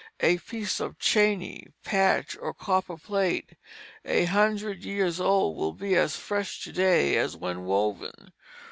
A piece of "chaney," "patch," or "copper plate" a hundred years old will be as fresh to day as when woven.